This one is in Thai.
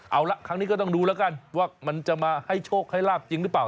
เอาละครั้งนี้ก็ต้องดูแล้วกันว่ามันจะมาให้โชคให้ลาบจริงหรือเปล่า